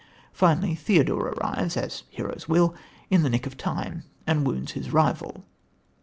Finally, Theodore arrives, as heroes will, in the nick of time, and wounds his rival.